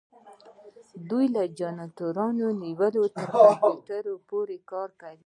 دوی له جنراتورونو نیولې تر کمپیوټر پورې کار کوي.